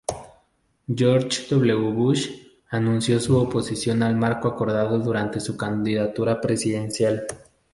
George W. Bush anunció su oposición al marco acordado durante su candidatura presidencial.